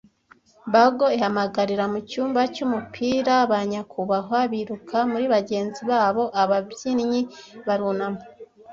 Bugle ihamagarira mucyumba cy'umupira, ba nyakubahwa biruka kuri bagenzi babo, ababyinnyi barunama,